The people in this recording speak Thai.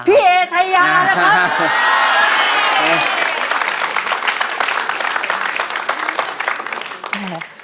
เอชายานะครับ